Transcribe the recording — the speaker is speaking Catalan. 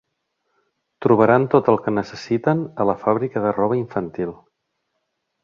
Trobaran tot el que necessiten a la fàbrica de roba infantil.